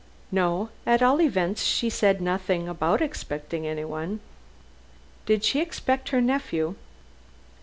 "No. At all events, she said nothing about expecting anyone." "Did she expect her nephew?"